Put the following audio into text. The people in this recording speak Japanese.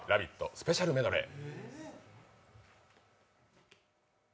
スペシャルメドレー。